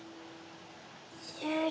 終了。